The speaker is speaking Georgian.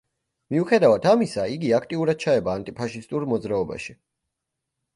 მიუხედავად ამისა, იგი აქტიურად ჩაება ანტიფაშისტურ მოძრაობაში.